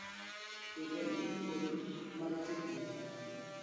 Kendo oikore mar chopo dwaro.